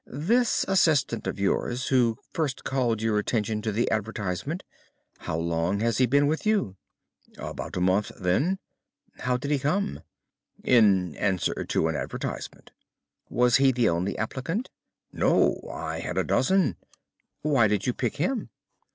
This assistant of yours who first called your attention to the advertisement—how long had he been with you?" "About a month then." "How did he come?" "In answer to an advertisement." "Was he the only applicant?" "No, I had a dozen." "Why did you pick him?"